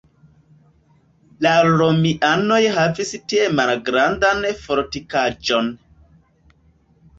La romianoj havis tie malgrandan fortikaĵon.